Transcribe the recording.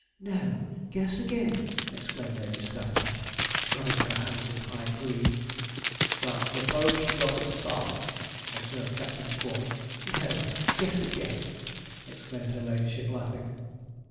'No. Guess again!' exclaimed Lady Scattercash, rubbing her hands in high glee. 'That the Pope's got a son?' observed Captain Quod. 'No. Guess again!' exclaimed her ladyship, laughing.